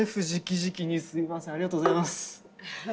ありがとうございます。